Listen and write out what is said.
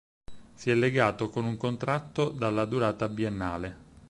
Si è legato con un contratto dalla durata biennale.